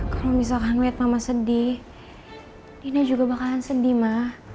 kalau misalkan liat mama sedih dina juga bakalan sedih ma